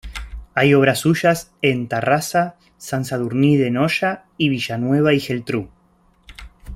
Hay obras suyas en Tarrasa, San Sadurní de Noya y Villanueva y Geltrú.